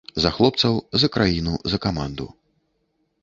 За хлопцаў, за краіну, за каманду.